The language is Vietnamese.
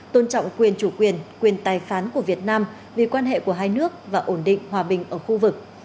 tôn trọng quyền chủ quyền quyền tài phán của việt nam vì quan hệ của hai nước và ổn định hòa bình ở khu vực